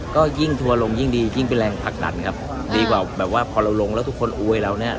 ก็ยิ่งทัวร์ลงยิ่งดียิ่งเป็นแรงผลักดันครับดีกว่าแบบว่าพอเราลงแล้วทุกคนอวยเราเนี่ย